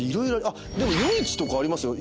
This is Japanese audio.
でも『夜市』とかありますよ。